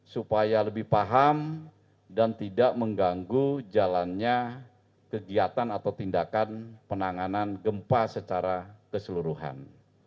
supaya lebih paham dan tidak mengganggu jalannya kegiatan atau tindakan penanganan gempa secara keseluruhan